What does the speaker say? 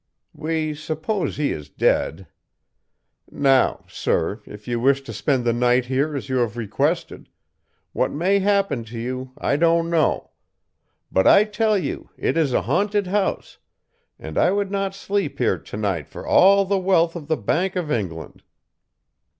We suppose he is dead. Now, Sir, if you wish to spend the night here as you have requested, what may happen to you I don't know; but I tell you it is a haunted house, and I would not sleep here to night for all the wealth of the Bank of England!'